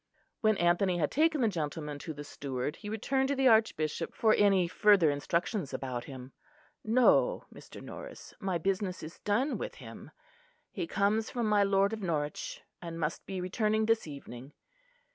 When Anthony had taken the gentleman to the steward, he returned to the Archbishop for any further instructions about him. "No, Mr. Norris, my business is done with him. He comes from my lord of Norwich, and must be returning this evening.